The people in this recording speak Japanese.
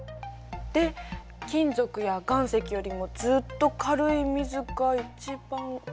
で金属や岩石よりもずっと軽い水が一番上に？